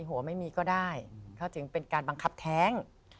หัวไม่มีก็ได้เขาถึงเป็นการบังคับแท้ง